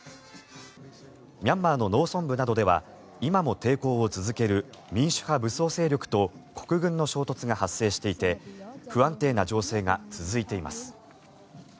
ミャンマーの農村部などでは今も抵抗を続ける民主派武装勢力と国軍の衝突が発生していて不安定な情勢が続いています。